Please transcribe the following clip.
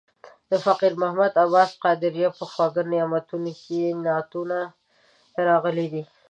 د فقیر محمد عباس قادریه په خواږه نعتونه کې یې نعتونه راغلي دي.